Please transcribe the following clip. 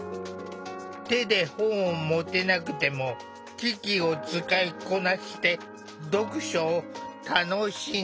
手で本を持てなくても機器を使いこなして読書を楽しんでいる。